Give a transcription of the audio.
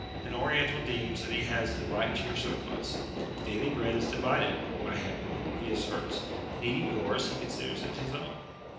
An Oriental deems that he has the right to your surplus. "Daily bread is divided" (by heaven), he asserts, and eating yours, he considers it his own.